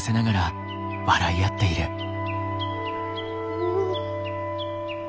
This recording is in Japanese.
うん。